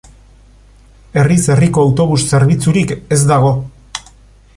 Herriz-herriko autobus zerbitzurik ez dago.